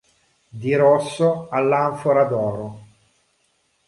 Di rosso all'anfora d'oro.